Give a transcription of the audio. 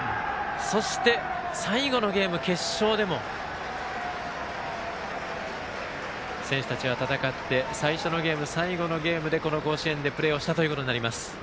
そして、最後のゲーム、決勝でも選手たちは戦って最初のゲーム最後のゲームで、この甲子園でプレーをしたということになります。